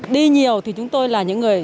đi nhiều thì chúng tôi là những người